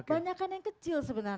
banyakan yang kecil sebenarnya